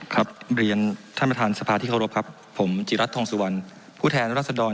เรียนท่านประธานสภาที่เคารพครับผมจิรัตนทองสุวรรณผู้แทนรัศดร